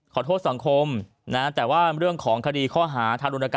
ขอโทษสังคมนะแต่ว่าเรื่องของคดีข้อหาธรรมจรรย์กรรมสัตว์